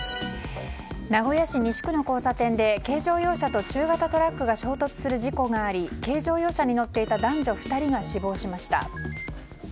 名古屋市西区の交差点で軽乗用車と中型トラックが衝突する事故があり軽乗用車に乗っていた男女２人が死亡しました。